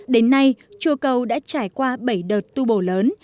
đến nay chùa cầu đã trải qua bảy đợt tu bổ lớn